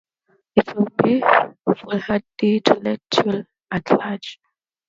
It would be foolhardy to let you at large.